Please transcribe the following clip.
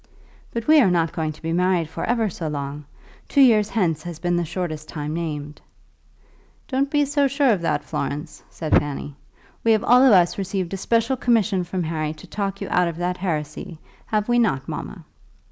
"But we are not going to be married for ever so long. Two years hence has been the shortest time named." "Don't be sure of that, Florence," said Fanny. "We have all of us received a special commission from Harry to talk you out of that heresy; have we not, mamma?"